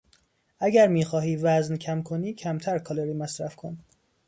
اگر میخواهی وزن کم کنی کمتر کالری مصرف کن.